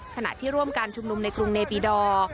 ขณะที่ร่วมการชุมนุมในกรุงเนปิดอร์